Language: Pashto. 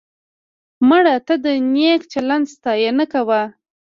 مړه ته د نیک چلند ستاینه کوو